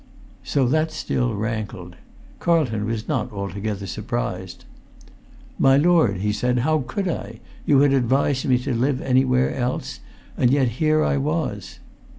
So that still rankled. Carlton was not altogether surprised. "My lord," said he, "how could I? You had advised me to live anywhere else, and yet here I was!"